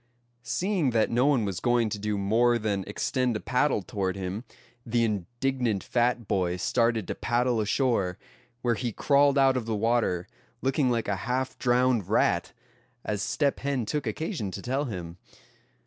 Seeing that no one was going to do more than extend a paddle toward him, the indignant fat boy started to paddle ashore; where he crawled out of the water, looking like a half drowned rat, as Step Hen took occasion to tell him.